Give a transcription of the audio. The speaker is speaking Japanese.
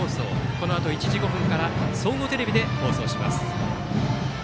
このあと１時５分から総合テレビで放送します。